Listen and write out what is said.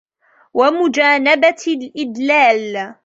وَمُجَانَبَةِ الْإِدْلَالِ